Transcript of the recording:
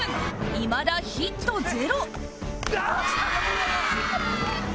いまだヒットゼロあっ！